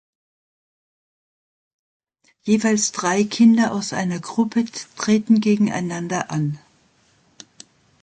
Jeweils drei Kinder aus einer Gruppe treten gegeneinander an.